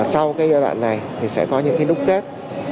sau cái giai đoạn này thì sẽ có những cái đúc kết